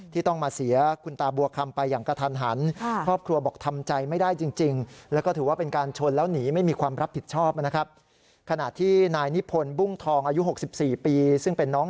ที่ต้องมาเสียคุณตาบวกคำไปอย่างกะทันหัน